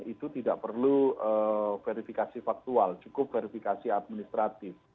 itu tidak perlu verifikasi faktual cukup verifikasi administratif